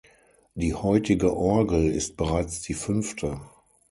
Die heutige Orgel ist bereits die fünfte.